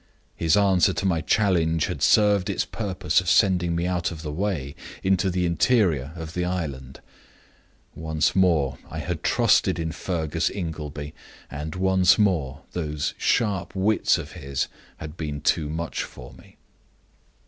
His answer to my challenge had served its purpose of sending me out of the way into the interior of the island. Once more I had trusted in Fergus Ingleby, and once more those sharp wits of his had been too much for me.